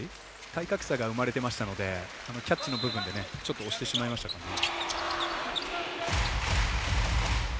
体格差が生まれてましたのでキャッチの部分でちょっと押してしまいましたかね。